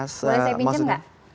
boleh saya pinjam nggak